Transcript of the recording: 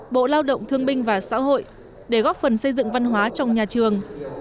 bộ lao động thương binh và xã hội để góp phần xây dựng văn hóa trong nhà trường